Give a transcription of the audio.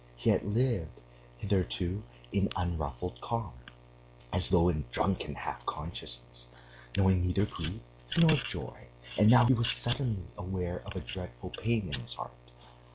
He had lived hitherto in unruffled calm, as though in drunken half consciousness, knowing neither grief nor joy, and now he was suddenly aware of a dreadful pain in his heart.